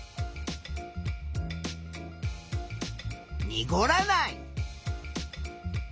にごらない。